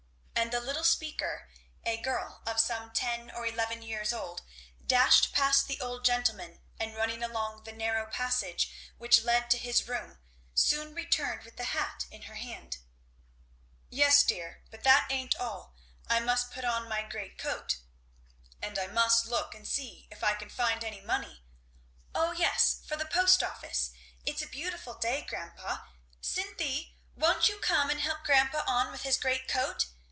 And the little speaker, a girl of some ten or eleven years old, dashed past the old gentleman and running along the narrow passage which led to his room soon returned with the hat in her hand. "Yes, dear, but that ain't all. I must put on my great coat and I must look and see if I can find any money " "O yes for the post office. It's a beautiful day, grandpa. Cynthy! won't you come and help grandpa on with his great coat?